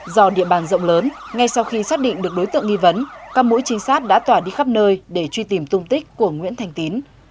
do địa bàn rộng lớn ngay sau khi xác định được đối tượng nghi vấn các mũi trinh sát đã tỏa đi khắp nơi để truy tìm tung tích của nguyễn thành tín